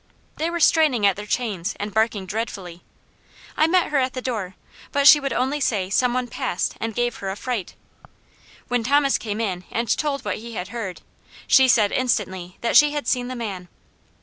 They were straining at their chains, and barking dreadfully. I met her at the door, but she would only say some one passed and gave her a fright. When Thomas came in and told what he had heard, she said instantly that she had seen the man.